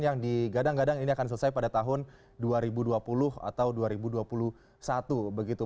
yang digadang gadang ini akan selesai pada tahun dua ribu dua puluh atau dua ribu dua puluh satu begitu